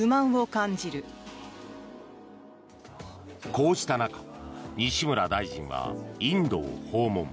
こうした中、西村大臣はインドを訪問。